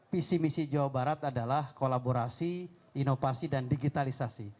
visi misi jawa barat adalah kolaborasi inovasi dan digitalisasi